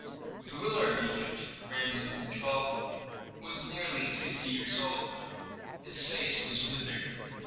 The ruler of Egypt, Rameses XII., was nearly sixty years old. His face was withered.